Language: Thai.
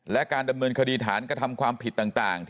และการดำเนินคดีฐานกระทำความผิดต่าง